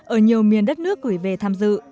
ở nhiều miền đất nước quỷ về tham dự